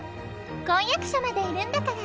婚約者までいるんだから。